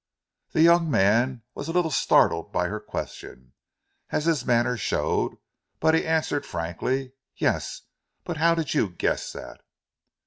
The young man was a little startled by her question, as his manner showed; but he answered frankly: "Yes! But how did you guess that?"